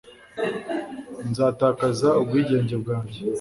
Nzatakaza ubwigenge bwanjye